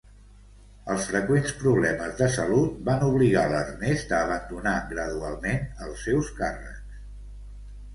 Els freqüents problemes de salut, van obligar l'Ernest a abandonar gradualment els seus càrrecs.